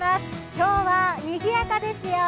今日はにぎやかですよ。